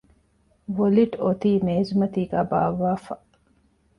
ވޮލިޓް އޮތީ މޭޒުމަތީގައި ބާއްވައިފަ